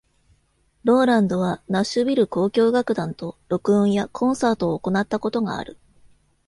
ローランドは、ナッシュビル交響楽団と録音やコンサートを行ったことがある。